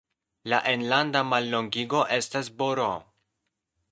La enlanda mallongigo estas Br.